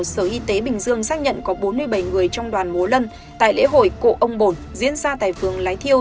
sở y tế bình dương xác nhận có bốn mươi bảy người trong đoàn múa lân tại lễ hội cộ ông bồn diễn ra tại phường lái thiêu